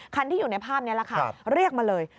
ที่อยู่ในภาพนี้แหละค่ะเรียกมาเลย